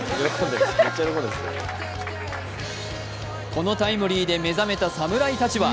このタイムリーで目覚めた侍舘は